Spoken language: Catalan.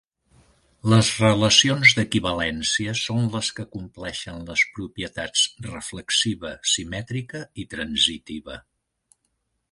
Les relacions d'equivalència són les que compleixen les propietats reflexiva, simètrica i transitiva.